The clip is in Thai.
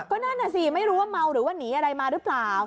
ก็นั่นน่ะสิไม่รู้ว่าเมาหรือว่าหนีอะไรมาหรือเปล่า